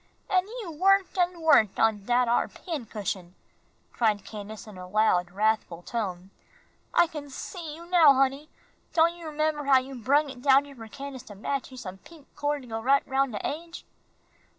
"An' you worked an' worked on dat ar pincushion," cried Candace, in a loud, wrathful tone. "I can see you now, honey. Don' you 'member how you brung it down here for Candace to match you some pink cord to go right round de aidge?"